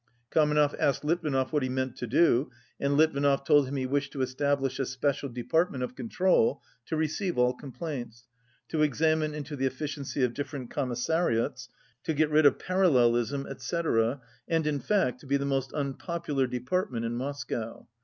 Kamenev asked Litvinov what he meant to do, and Litvinov told him he wished to establish a special department of control to receive all com plaints, to examine into the efficiency of different commissariats, to get rid of parallelism, etc., and, in fact, to be the most unpopular department in Moscow.